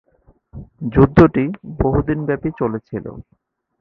যুদ্ধটি বহুদিন ব্যাপী চলেছিল।